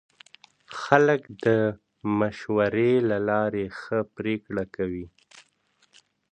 خلک د مشورې له لارې ښه پرېکړې کوي